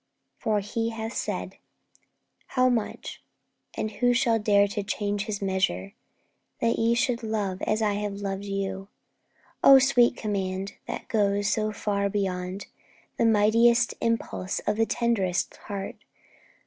For He hath said How much and who shall dare to change His measure? "That ye should love as I have loved you." O sweet command, that goes so far beyond The mightiest impulse of the tenderest heart!